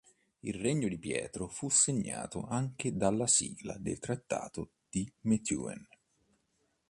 Il regno di Pietro fu segnato anche dalla sigla del Trattato di Methuen.